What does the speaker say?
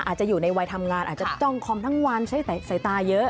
อาจจะอยู่ในวัยทำงานอาจจะจ้องคอมทั้งวันใช้สายตาเยอะ